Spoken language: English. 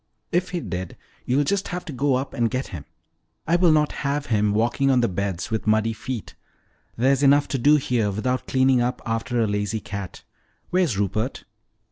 "If he did, you'll just have to go up and get him. I will not have him walking on the beds with muddy feet. There's enough to do here without cleaning up after a lazy cat. Where's Rupert?"